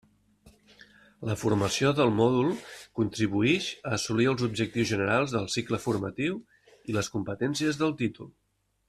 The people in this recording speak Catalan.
La formació del mòdul contribuïx a assolir els objectius generals del cicle formatiu i les competències del títol.